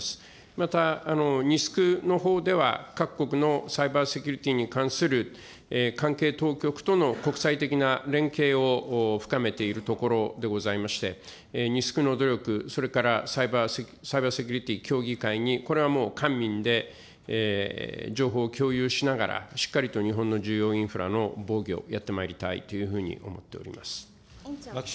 またほうでは各国のサイバーセキュリティに関する関係当局との国際的な連携を深めているところでございまして、の努力、サイバーセキュリティ協議会に、これはもう官民で情報を共有しながら、しっかりと日本の重要インフラの防御をやってまいりたいというふうに思っております。